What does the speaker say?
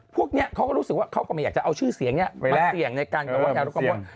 พวกเนี่ยเขาก็รู้สึกว่าเขาก็ไม่อยากจะเอาชื่อเสียงเนี่ยไปแล้วมาเสี่ยงในการกำลังว่ายาลดความอ้วน